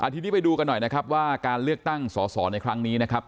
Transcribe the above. ทีนี้ไปดูกันหน่อยนะครับว่าการเลือกตั้งสอสอในครั้งนี้นะครับ